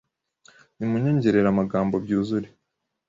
Nimunyongerere amagambo byuzure